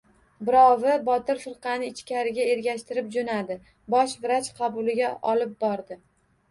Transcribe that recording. Birovi Botir firqani ichkari ergashtirib jo‘nadi. Bosh vrach qabuliga olib bordi.